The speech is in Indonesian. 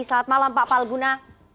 selamat malam pak pal guna